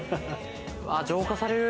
浄化される。